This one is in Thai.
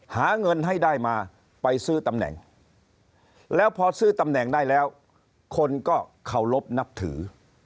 หาเงินให้ได้มาไปซื้อตำแหน่งแล้วพอซื้อตำแหน่งได้แล้วคนก็เคารพนับถือ